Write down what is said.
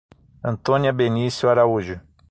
Antônia Benicio Araújo